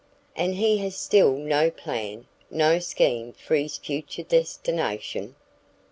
"And he has still no plan, no scheme for his future destination?"